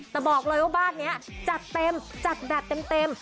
แต่บอกเลยว่าบ้านนี้จัดเต็มจัดแบบเต็ม